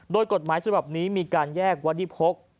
โดยกฎหมายฉบับนี้มีการแยกวัฒนิพก